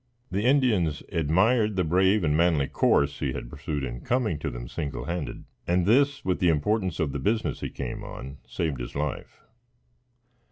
The Indians admired the brave and manly course he had pursued in coming to them single handed, and this, with the importance of the business he came on, saved his life.